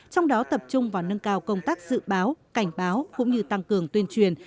trong đó tập trung vào nâng cao công tác dự báo cảnh báo cũng như tăng cường tuyên truyền